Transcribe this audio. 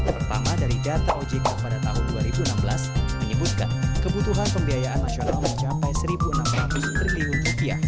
pertama dari data ojk pada tahun dua ribu enam belas menyebutkan kebutuhan pembiayaan nasional mencapai rp satu enam ratus triliun